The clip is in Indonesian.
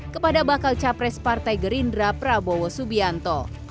kepada bakal capres partai gerindra prabowo subianto